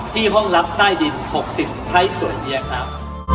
ที่ห้องลับใต้ดิน๖๐ไทยสวยเยียครับ